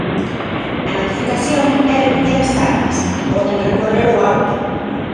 A notificación é remitida ás partes, que poden recorrer o auto.